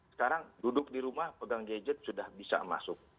sekarang duduk di rumah pegang gadget sudah bisa masuk